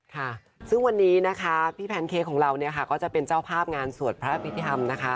ค่ะซึ่งวันนี้พี่แพนเคกของเราก็จะเป็นเจ้าภาพงานสวดพระพิธีธรรม